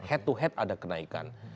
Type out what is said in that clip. head to head ada kenaikan